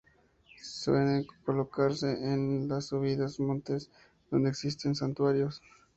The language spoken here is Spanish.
Suenen colocarse en las subidas a montes donde existen santuarios.